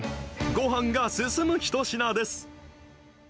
ごはんが進む一品です。